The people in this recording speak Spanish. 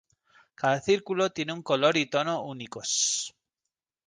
Cada círculo tiene un color y tono únicos.